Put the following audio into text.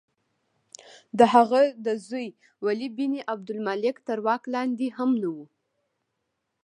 د هغه د زوی ولید بن عبدالملک تر واک لاندې هم نه وه.